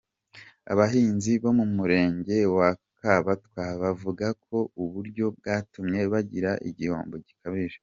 Abahinzi bo mu Murenge wa Kabatwa, bavuga ko ubu buryo bwatumye bagira igihombo gikabije.